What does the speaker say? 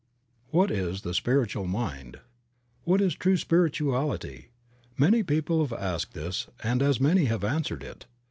WHAT IS THE SPIRITUAL MIND? "W/"HAT is true spirituality? Many people have asked this and as many have answered it.